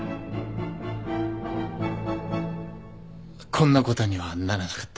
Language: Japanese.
こんなことにはならなかった。